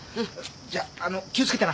じゃあ気をつけてな。